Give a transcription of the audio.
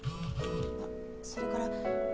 あっそれから。